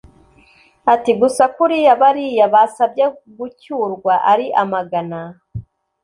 Ati: "Gusa kuriya bariya basabye gucyurwa ari amagana,